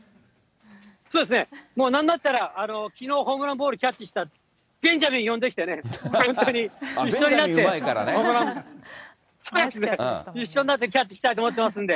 そうですね、もうなんだったら、きのうホームランボールキャッチしたベンジャミン呼んできてね、本当に、一緒になってホームラン、一緒になってキャッチしたいと思ってますんで。